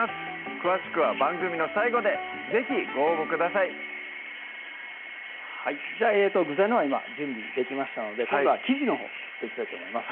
詳しくは番組の最後で是非ご応募くださいじゃあ具材のほうは今準備できましたので今度は生地のほう作っていきたいと思います